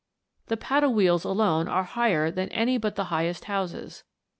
The paddle wheels alone are higher than any but the highest houses.